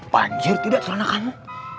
panjir tidak celana kamu